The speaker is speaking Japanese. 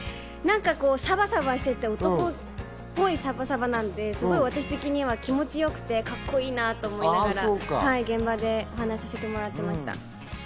サバサバしてて男っぽいサバサバなんで私的には気持ち良くてカッコいいなと思いながら現場でお話をさせてもらっていました。